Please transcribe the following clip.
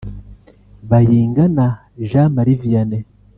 Bayingana Jean Marie Vianey